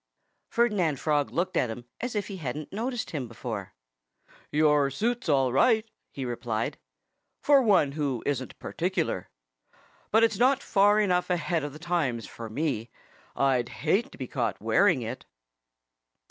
Ferdinand Frog looked at him as if he hadn't noticed him before. "Your suit's all right," he replied, "for one who isn't particular. But it's not far enough ahead of the times for me. ... I'd hate to be caught wearing it."